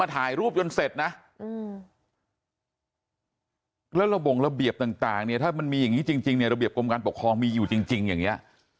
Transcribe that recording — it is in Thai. ถ้ามันมีอย่างนี้จริงระเบียบกรมการปกครองมีอยู่จริงอย่างนี้